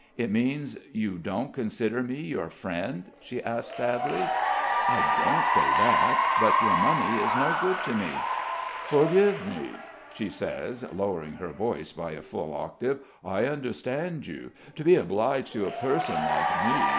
"It means, you don't consider me your friend?" she asks sadly. "I don't say that. But your money is no good to me." "Forgive me," she says lowering her voice by a full octave. "I understand you. To be obliged to a person like me